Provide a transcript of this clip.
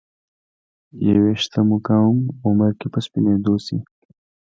ې ویښته مو کوم عمر کې په سپینیدو شي